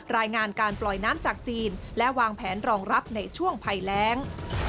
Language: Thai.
รายงานการปล่อยน้ำจากจีนและวางแผนรองรับในช่วงภัยแรง